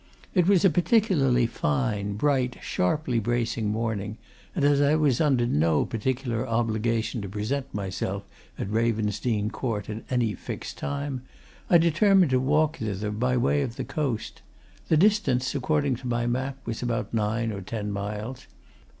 It was a particularly fine, bright, sharply bracing morning, and as I was under no particular obligation to present myself at Ravensdene Court at any fixed time, I determined to walk thither by way of the coast. The distance, according to my map, was about nine or ten miles.